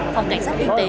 phòng cảnh sát kinh tế